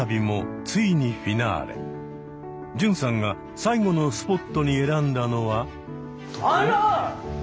純さんが最後のスポットに選んだのは。